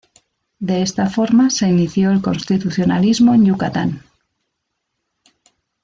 De esta forma se inició el constitucionalismo en Yucatán.